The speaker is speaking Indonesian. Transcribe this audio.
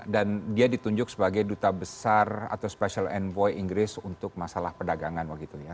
dan dia ditunjuk sebagai duta besar atau special envoy inggris untuk masalah perdagangan